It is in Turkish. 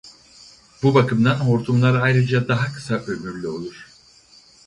Bu bakımdan hortumlar ayrıca daha kısa ömürlü olur.